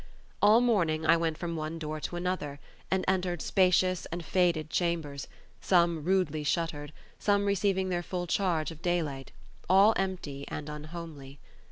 All morning I went from one door to another, and entered spacious and faded chambers, some rudely shuttered, some receiving their full charge of daylight, all empty and unhomely.